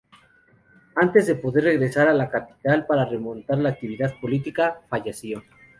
Antes de poder regresar a la capital para retomar la actividad política, falleció.